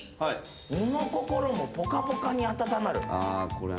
身も心もポカポカに温まる。